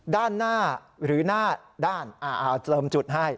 ด้านหน้าหรือหน้าด้านเติมจุดให้